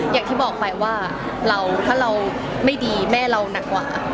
อย่างที่บอกไปว่าถ้าเราไม่ดีแม่เราหนักกว่า